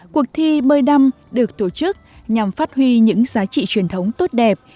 cuộc thi bơi đăng được tổ chức nhằm phát huy những giá trị truyền thống tốt đẹp